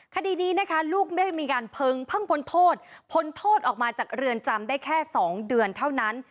คดีนี้นะคะลูกได้มีการเพิงเพิ่งพ้นโทษพ้นโทษออกมาจากเรือนจำได้แค่๒เดือนเท่านั้น